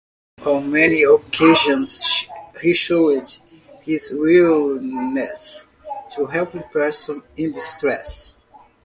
On many occasions he showed his willingness to help persons in distress.